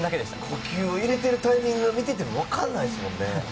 呼吸入れてるタイミングは見てても分からないけどね。